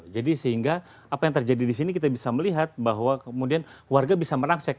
sehingga apa yang terjadi di sini kita bisa melihat bahwa kemudian warga bisa merangsek